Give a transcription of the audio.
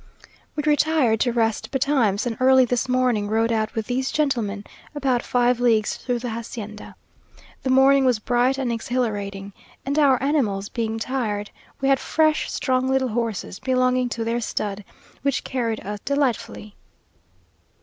We retired to rest betimes, and early this morning rode out with these gentlemen, about five leagues through the hacienda. The morning was bright and exhilarating, and our animals being tired, we had fresh, strong little horses belonging to their stud, which carried us delightfully.